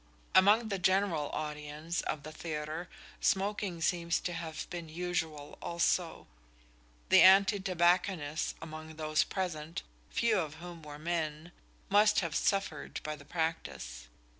Among the general audience of the theatre smoking seems to have been usual also. The anti tobacconists among those present, few of whom were men, must have suffered by the practice.